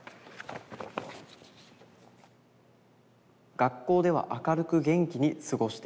「学校では明るく元気に過ごしていました」。